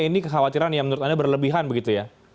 ini kekhawatiran yang menurut anda berlebihan begitu ya